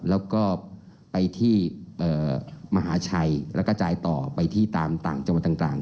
แล้วก็ไปที่มหาชัยแล้วก็จ่ายต่อไปที่ตามเรื่องต่างจนใหก่จานการ์